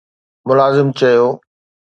ملازم چيو